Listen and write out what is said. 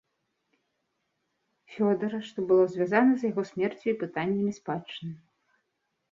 Фёдара, што было звязана з яго смерцю і пытаннямі спадчыны.